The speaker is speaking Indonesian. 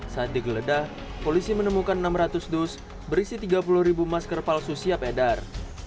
saat digeledah polisi menemukan enam ratus dus berisi tiga puluh ribu masker palsu siap edar